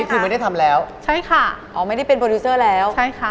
ค่ะตำแหน่งอะไรครับ